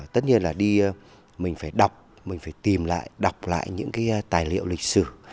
tất nhiên là đi mình phải đọc mình phải tìm lại đọc lại những cái tài liệu lịch sử